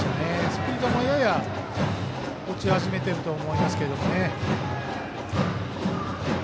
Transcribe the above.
スピードもやや落ち始めていると思いますけど。